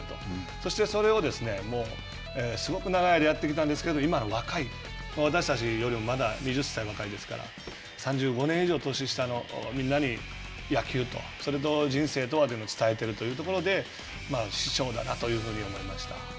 そして、それをすごく長い間やってきたんですけれども、今の若い、私たちよりもまだ２０歳若いですから、３５年以上年下のみんなに野球と、それと人生とはというところを伝えているところで、師匠だなというふうに思いました。